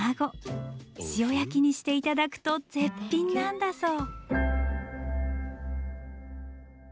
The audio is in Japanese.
塩焼きにして頂くと絶品なんだそう。